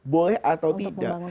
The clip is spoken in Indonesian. boleh atau tidak